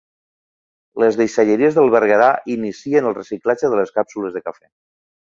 Les deixalleries del Berguedà inicien el reciclatge de les càpsules de cafè.